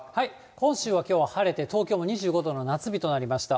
本州はきょうは晴れて、東京も２５度の夏日となりました。